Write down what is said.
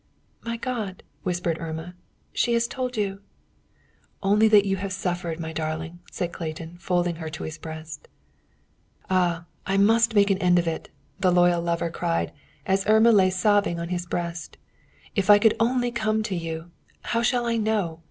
"My God!" whispered Irma. "She has told you" "Only that you have suffered, my darling," said Clayton, folding her to his breast. "Ah! I must make an end of it!" the loyal lover cried, as Irma lay sobbing on his breast. "If I could only come to you; how shall I know?